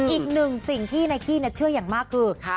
อีกหนึ่งสิ่งที่นายกี้เชื่ออย่างมากคือ